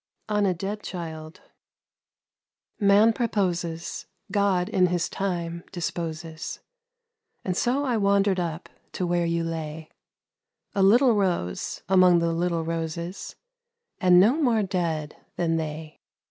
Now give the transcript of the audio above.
ON A DEAD CHILD MAN proposes, God in His time disposes, And so I wandered up to where you lay, A little rose among the little roses, And no more dead than they.